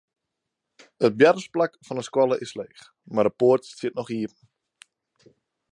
It boartersplak fan de skoalle is leech, de poarte stiet noch iepen.